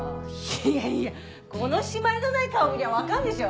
いやいやこの締まりのない顔見りゃ分かんでしょ。